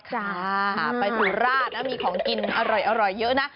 จ้าไปสุราชนะมีของกินอร่อยเยอะนะ